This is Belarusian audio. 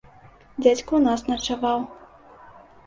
Дзядзька ў нас начаваў.